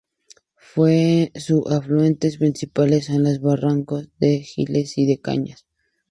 Su afluentes principales son los barrancos de Giles y de Cañas.